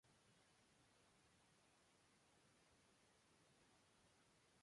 Contrajo matrimonio con Carmen Gil Montaner.